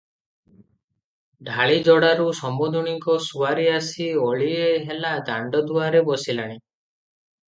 ଡାଳିଯୋଡ଼ାରୁ ସମୁନ୍ଧୁଣୀଙ୍କ ସୁଆରି ଆସି ଓଳିଏ ହେଲା ଦାଣ୍ତଦୁଆରେ ବସିଲାଣି ।